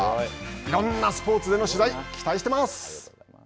いろんなスポーツでの取材、期待しています！